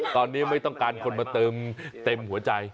ตอนนี้ไม่ต้องการคนมาเติมเต็มหัวใจ